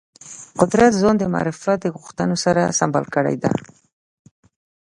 قدرت ځان د معرفت غوښتنو سره سمبال کړی دی